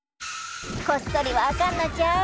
こっそりはあかんのちゃう？